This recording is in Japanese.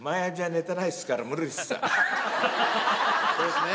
そうですね。